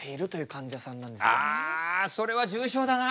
あそれは重症だな。